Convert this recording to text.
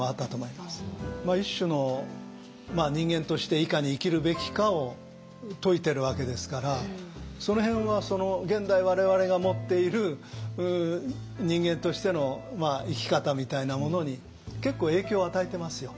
一種の人間としていかに生きるべきかを説いてるわけですからその辺は現代我々が持っている人間としての生き方みたいなものに結構影響与えてますよ。